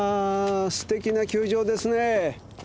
すてきな球場ですねえ。